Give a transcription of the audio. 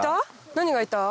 何がいた？